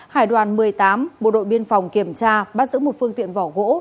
hải đoàn một mươi tám bộ đội biên phòng kiểm tra bắt giữ một phương tiện vỏ gỗ